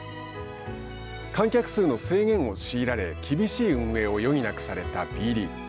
観客数の制限を強いられ厳しい運営を余儀なくされたＢリーグ。